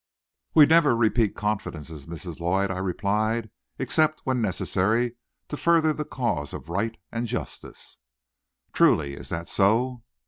"We never repeat confidences, Miss Lloyd," I replied, "except when necessary to further the cause of right and justice." "Truly? Is that so?"